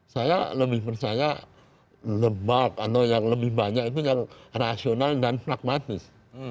saya lebih percaya lebak atau yang lebih banyak itu yang rasional dan pragmatis